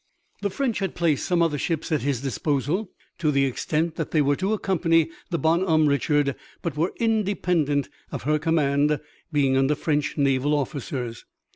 The French had placed some other ships at his disposal to the extent that they were to accompany the Bonhomme Richard, but were independent of her command, being under French naval officers.